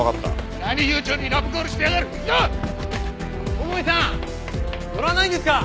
桃井さん乗らないんですか？